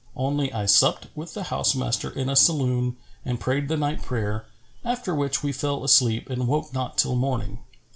Only I supped with the house master in a saloon and prayed the night prayer, after which we fell asleep and woke not till morning."